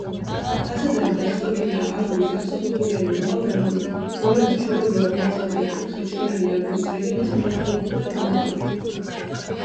ფასადები დასრულებულია აგურის ოთხსაფეხურიანი ლავგარდნით, რომელიც ჩვეულებრივად ნაწყობი და კუთხით შვერილი აგურის რიგების მონაცვლეობითააგამოყვანილი.